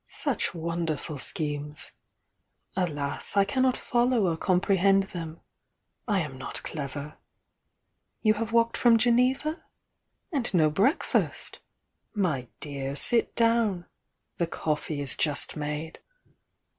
— such wonderful schemes! — alas, I cannot follow or comprehend them! — I am not clever! You have walked from Geneva?— and no breakfast? My dear, sit down, — the co£Fee is just made."